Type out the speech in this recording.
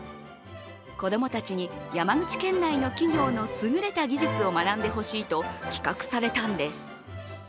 子供たちに山口県内の企業のすぐれた技術を学んでほしいと企画されたんです。